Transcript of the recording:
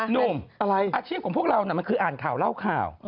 หนุ่มอาชีพของพวกเราน่ะมันคืออ่านข่าวเล่าข่าว